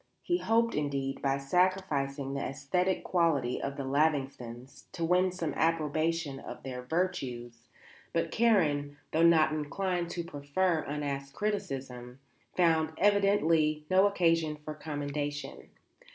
He hoped indeed, by sacrificing the æsthetic quality of the Lavingtons, to win some approbation of their virtues; but Karen, though not inclined to proffer unasked criticism, found, evidently, no occasion for commendation.